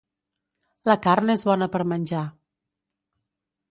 La carn és bona per menjar.